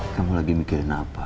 kamu lagi mikirin apa